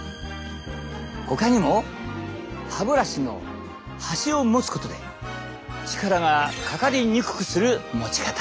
ほかにも歯ブラシの端を持つことで力がかかりにくくする持ち方。